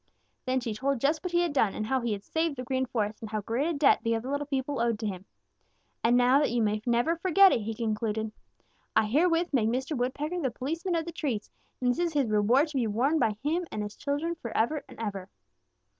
Then she told just what he had done, and how he had saved the Green Forest, and how great a debt the other little people owed to him. "'And now that you may never forget it,' she concluded, 'I herewith make Mr. Woodpecker the policeman of the trees, and this is his reward to be worn by him and his children forever and ever.'